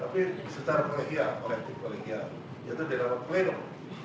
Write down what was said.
tapi secara kolegial kolektif kolegial itu di nama plenum